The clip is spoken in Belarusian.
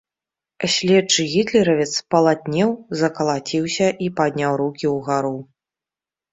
Следчы гітлеравец спалатнеў, закалаціўся і падняў рукі ўгару.